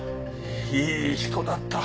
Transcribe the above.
いい人だった。